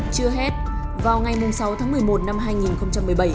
chưa hết vào ngày sáu tháng một mươi một năm hai nghìn một mươi bảy